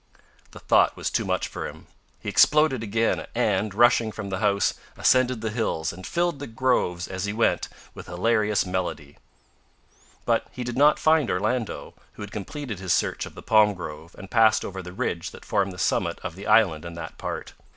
The thought was too much for him. He exploded again, and, rushing from the house, ascended the hills, and filled the groves as he went with hilarious melody. But he did not find Orlando, who had completed his search of the palm grove and passed over the ridge that formed the summit of the island in that part.